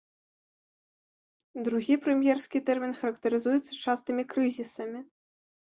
Другі прэм'ерскі тэрмін характарызуецца частымі крызісамі.